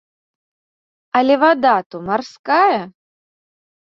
Але вада то марская!